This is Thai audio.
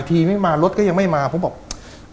ไทยที่ที่ไม่มารถก็ยังไม่มาผมบอกว่า